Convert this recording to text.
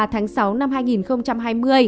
tháng sáu năm hai nghìn hai mươi